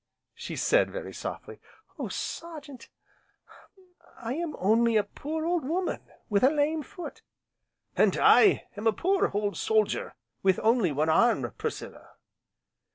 she said, very softly, "Oh Sergeant, I am only a poor, old woman with a lame foot!" "And I am a poor, old soldier with only one arm, Priscilla."